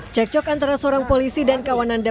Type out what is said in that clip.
cekcok antara seorang polisi dan kawanan